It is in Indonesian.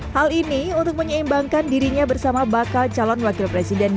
hal ini untuk menyeimbangkan dirinya bersama bakal calon wakil presiden